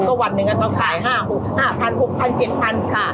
ก็วันหนึ่งก็ต้องขาย๕๐๐๐๗๐๐๐บาทค่ะ